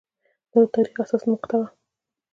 دا د تاریخ حساسه مقطعه وه.